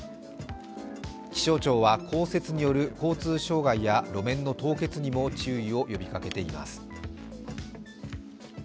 気象庁は降雪による交通障害や路面の凍結にも注意を呼びかけています。